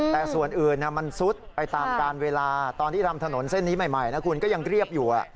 แต่ส่วนอื่นมันซุดไปตามการเวลาตอนที่ทำถนนเส้นนี้ใหม่นะคุณก็ยังเรียบอยู่